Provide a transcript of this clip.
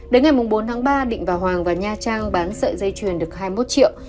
đến ngày bốn tháng ba định và hoàng và nha trang bán sợi dây chuyền được hai mươi một triệu